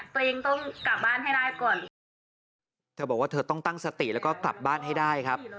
ตัวเองต้องกลับบ้านให้ได้ก่อนเธอบอกว่าเธอต้องตั้งสติแล้วก็กลับบ้านให้ได้ครับ